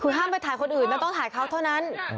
คือห้ามไปถ่ายคนอื่นมันต้องถ่ายเขาเท่านั้น